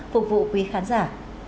phục vụ quý khán giả